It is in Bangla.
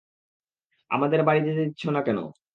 আমাদের বাড়ি যেতে দিচ্ছেন না কেন?